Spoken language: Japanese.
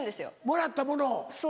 もらったものを。